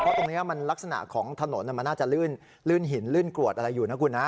เพราะตรงนี้มันลักษณะของถนนมันน่าจะลื่นหินลื่นกรวดอะไรอยู่นะคุณนะ